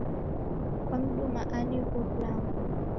Kwamduma ani hivo vilambo?